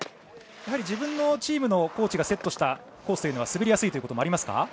自分のチームのコーチがセットしたコースというのは滑りやすいということもありますか？